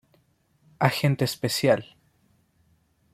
Agente Especial".